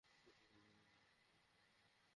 তৃতীয় প্রজন্মে, উত্তরাধিকারীই ধ্বংস হয়ে যাবে।